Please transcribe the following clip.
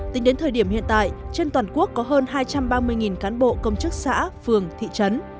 tính đến thời điểm hiện tại trên toàn quốc có hơn hai trăm ba mươi cán bộ công chức xã phường thị trấn